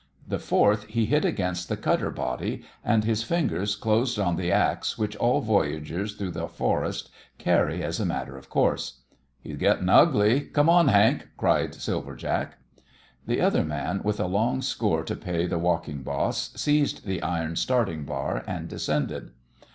The fourth he hit against the cutter body, and his fingers closed on the axe which all voyagers through the forest carry as a matter of course. "He's gettin' ugly. Come on, Hank!" cried Silver Jack. The other man, with a long score to pay the walking boss, seized the iron starting bar, and descended.